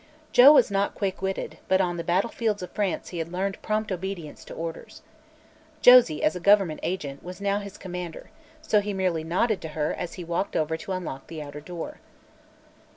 Joe was not quick witted, but on the battlefields of France he had learned prompt obedience to orders. Josie, as a government agent, was now his commander, so he merely nodded to her as he walked over to unlock the outer door.